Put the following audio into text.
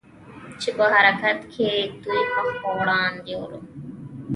چې په حرکت وې، دوی مخ په وړاندې ورو.